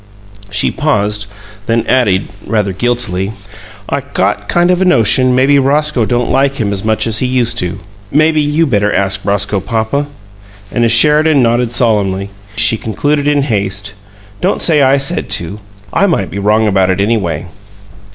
She paused, then added, rather guiltily: "I got kind of a notion maybe Roscoe don't like him as much as he used to. Maybe maybe you better ask Roscoe, papa." And as Sheridan nodded solemnly, she concluded, in haste: "Don't say I said to. I might be wrong about it, anyway."